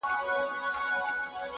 • ماسومان له هغه ځایه وېرېږي تل,